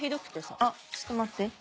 あちょっと待って。